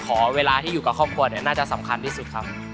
ขอเวลาที่อยู่กับครอบครัวเนี่ยน่าจะสำคัญที่สุดครับ